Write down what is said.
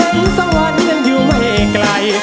สวรรค์ยังอยู่ไม่ไกล